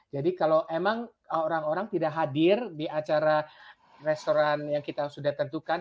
jadi kalau emang orang orang tidak hadir di acara restoran yang kita sudah tentukan